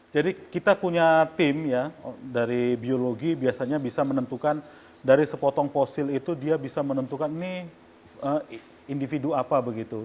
jadi kita punya tim dari biologi biasanya bisa menentukan dari sepotong fosil itu dia bisa menentukan ini individu apa begitu